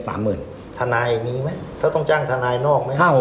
ทนายมีไหมถ้าต้องจ้างทนายนอกไหมให้